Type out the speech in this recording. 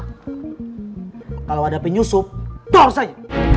kalo ada penyusup tors ay